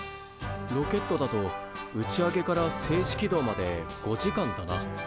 ロケットだと打ち上げから静止軌道まで５時間だな。